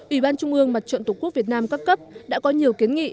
ủy ban trung ương mặt trận tổ quốc việt nam các cấp đã có nhiều kiến nghị